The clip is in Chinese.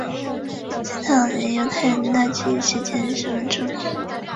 此党于犹太人大起义期间十分著名。